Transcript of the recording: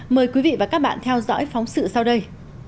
mời quý vị và các bạn theo dõi phóng sự sau đây